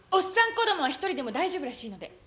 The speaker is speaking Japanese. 子供は１人でも大丈夫らしいので。